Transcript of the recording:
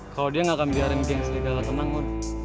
kalo dia gak akan biarin geng selidak ketenang mo